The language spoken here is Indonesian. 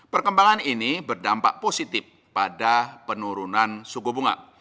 perkembangan ini berdampak positif pada penurunan suku bunga